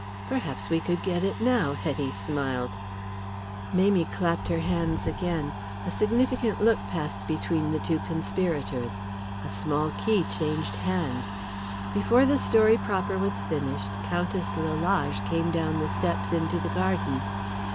"Perhaps we could get it now." Hetty smiled. Mamie clapped her hands again. A significant look passed between the two conspirators. A small key changed hands. Before the story proper was finished Countess Lalage came down the steps into the garden.